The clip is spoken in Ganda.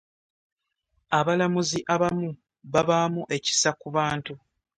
Abalamuzi abamu babaamu ekisa ku bantu.